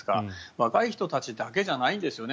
若い人たちだけじゃないんですよね